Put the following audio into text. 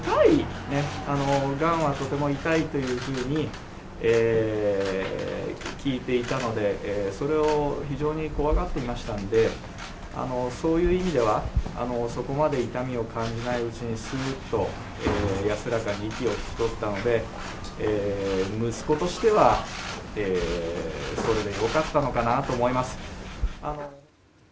がんは、とても痛いというふうに聞いていたので、それを非常に怖がっていましたんでそういう意味ではそこまで痛みを感じないうちにスーッと安らかに息を引き取ったので息子としては、それで良かったのかなと思います。